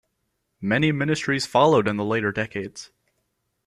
Many ministries followed in the later decades.